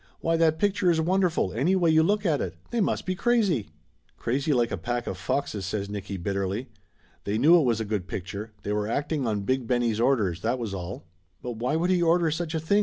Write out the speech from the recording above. Why, that picture is wonderful, any way you look at it. They must be crazy !" "Crazy like a pack of foxes!" says Nicky bitterly. "They knew it was a good picture. They were, acting on Big Benny's orders, that was all!" "But why should he order such a thing?"